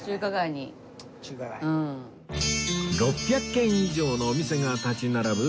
６００軒以上のお店が立ち並ぶ